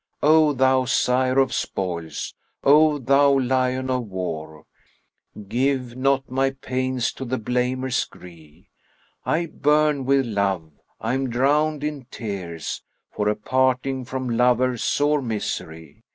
O thou sire of spoils,[FN#46] O thou lion of war, * Give not my pains to the blamer's gree. I burn with love, I am drowned in tears * For a parting from lover, sore misery!